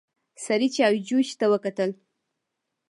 سړي چايجوشې ته وکتل.